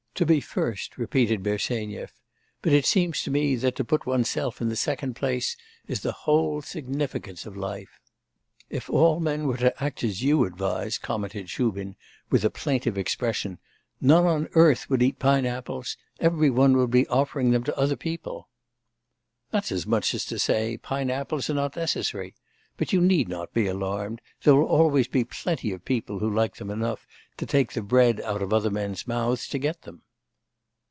'To be first,' repeated Bersenyev. 'But it seems to me that to put one's self in the second place is the whole significance of our life.' 'If all men were to act as you advise,' commented Shubin with a plaintive expression, 'none on earth would eat pine apples; every one would be offering them to other people.' 'That's as much as to say, pine apples are not necessary; but you need not be alarmed; there will always be plenty of people who like them enough to take the bread out of other men's mouths to get them.